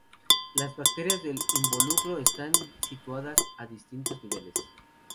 Las brácteas del involucro están situadas a distintos niveles.